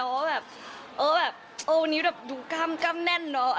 เอ่อว่าแบบเออวันนี้แบบดูกล้ามกล้ามแน่นเนอะ